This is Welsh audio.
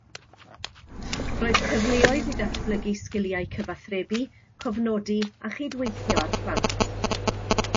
Roedd cyfleoedd i ddatblygu sgiliau cyfathrebu, cofnodi a chydweithio â'r plant